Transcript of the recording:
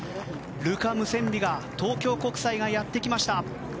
ルカ・ムセンビが東京国際がやってきました。